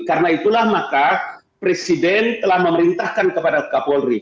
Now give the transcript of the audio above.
karena itulah maka presiden telah memerintahkan kepada kapolri